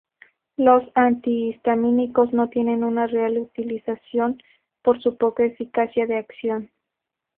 Los antihistamínicos no tienen una real utilización, por su poca eficacia de acción.